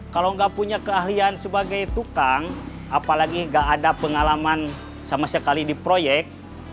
kalau nggak punya keahlian sebagai tukang apalagi gak ada pengalaman sama sekali di proyek